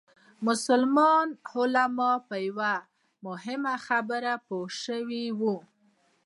مسلمان علما په یوه مهمه خبره پوه شوي وو.